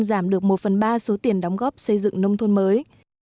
giảm được một phần ba số tiền đóng góp xây dựng nông thôn mới